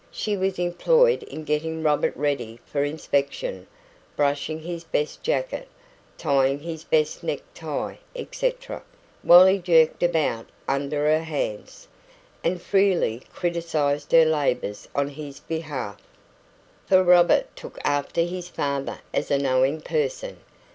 She was employed in getting Robert ready for inspection brushing his best jacket, tying his best neck tie, etc., while he jerked about under her hands, and freely criticised her labours on his behalf. For Robert took after his father as a knowing person.